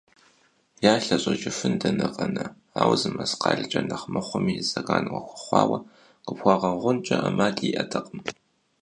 Ялъ ящӀэжыфын дэнэ къэна, ауэ зы мэскъалкӀэ нэхъ мыхъуми зэран уахуэхъуауэ къыпхуагъэгъункӀэ Ӏэмал иӀэтэкъым.